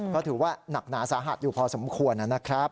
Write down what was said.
ก็ถือว่าหนักหนาสาหัสอยู่พอสมควรนะครับ